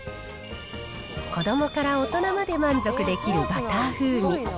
子どもから大人まで満足できるバター風味。